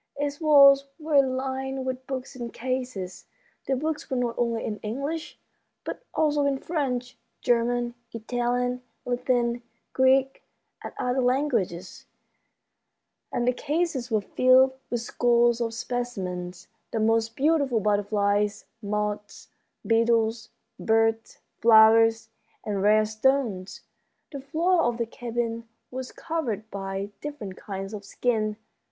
Its walls were lined with books and cases. The books were not only in English, but also in French, German, Italian, Latin, Greek, and other languages, and the cases were filled with scores of specimens, the most beautiful butterflies, moths, beetles, birds, flowers, and rare stones. The floor of the cabin was covered by different kinds of skins.